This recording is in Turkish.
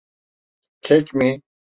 Kek mi?